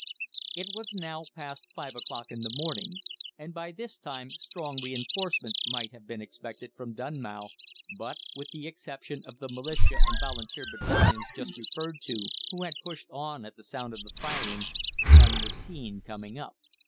It was now past five o'clock in the morning, and by this time strong reinforcements might have been expected from Dunmow, but, with the exception of the Militia and Volunteer battalions just referred to, who had pushed on at the sound of the firing, none were seen coming up.